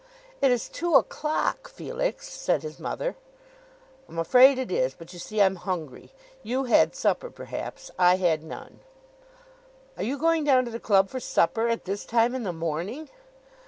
"It is two o'clock, Felix," said his mother. "I'm afraid it is, but you see I'm hungry. You had supper, perhaps; I had none." "Are you going down to the club for supper at this time in the morning?"